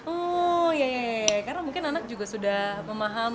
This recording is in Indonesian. oh yey karena mungkin anak juga sudah memaham